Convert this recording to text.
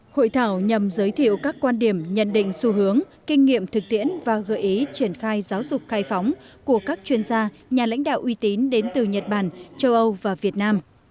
hội thảo nhằm giới thiệu các quan điểm nhận định xu hướng kinh nghiệm thực tiễn và gợi ý triển khai giáo dục khai phóng của các chuyên gia nhà lãnh đạo uy tín đến từ nhật bản châu âu và việt nam